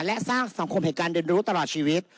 และสร้างสังคมแห่งการเรียนรู้ตลอดชีวิต